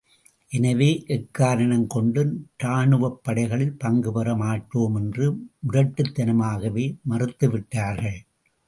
எனவே, எக்காரணம் கொண்டும் ராணுவப் படைகளில் பங்கு பெற மாட்டோம் என்று முரட்டுத்தனமாகவே மறுத்து விட்டார்கள்.